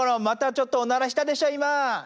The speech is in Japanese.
またちょっとおならしたでしょいま！